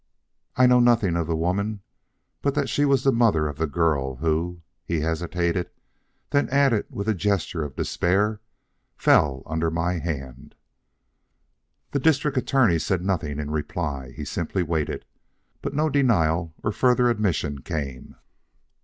"I know nothing of the woman but that she was the mother of the girl who " he hesitated, then added with a gesture of despair, "fell under my hand." The District Attorney said nothing in reply, he simply waited. But no denial or further admission came.